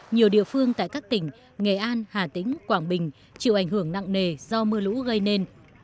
nhiều địa phương tại các tỉnh nghệ an hà tĩnh quảng bình chịu ảnh hưởng nặng nề do mưa lũ gây nên